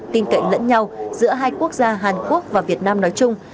tin cậy lẫn nhau giữa hai quốc gia hàn quốc và việt nam nói chung